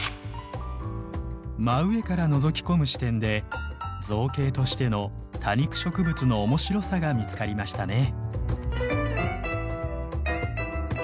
真上からのぞき込む視点で造形としての多肉植物のおもしろさが見つかりましたね。